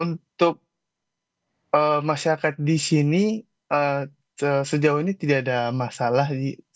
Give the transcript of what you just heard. untuk masyarakat di sini sejauh ini tidak ada masalah